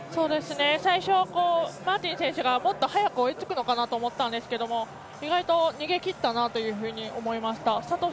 最初、マーティン選手がもっと早く追いつくのかなと思ったんですけど意外と逃げきったなというふうに思いました。